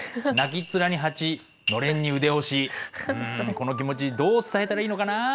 この気持ちどう伝えたらいいのかなぁ。